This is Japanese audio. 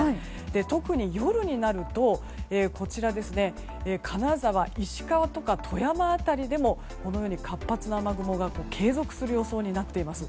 特に夜になると金沢、石川とか富山辺りでもこのように活発な雨雲が継続する予想になっています。